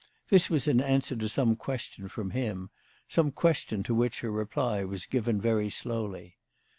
This was in answer to some question from him, some question to which her reply was given very slowly.